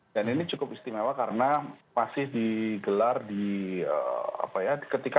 dan ini cukup istimewa karena masih digelar di ketika